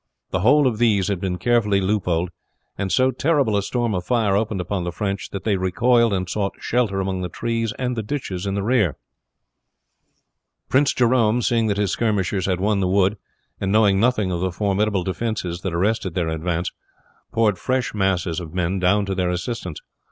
The whole of these had been carefully loopholed, and so terrible a storm of fire opened upon the French that they recoiled and sought shelter among the trees and ditches in the rear. Jerome, seeing that his skirmishers had won the wood, and knowing nothing of the formidable defenses that arrested their advance, poured fresh masses of men down to their assistance.